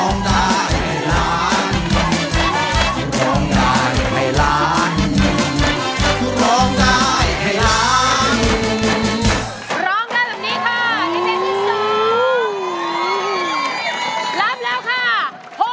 สกแอ๋วเรียนรามแน่นอนครับเพลงนี้คุณสอนเทพสอนทอง